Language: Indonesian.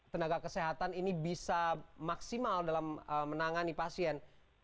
tenaga kesehatan ini bisa maksimal dalam menangani pasien